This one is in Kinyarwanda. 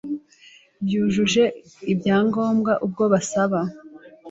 bwujuje ibyangombwa ubwo basaba